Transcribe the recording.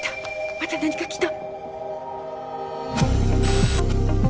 また何かきた！